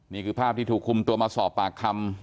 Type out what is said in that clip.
นี่คือภาพที่ถูกคุมตัวมาสอบปากคำ